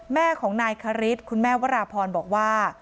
แม่ของนายคริสคุณแม่วราพรบอกว่า